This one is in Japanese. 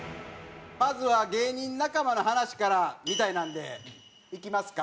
まずは芸人仲間の話からみたいなのでいきますか？